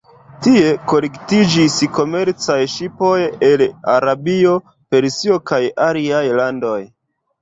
Tie kolektiĝis komercaj ŝipoj el Arabio, Persio kaj aliaj landoj.